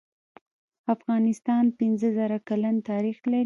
افغانستان پنځه زر کلن تاریخ لري.